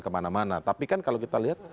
kemana mana tapi kan kalau kita lihat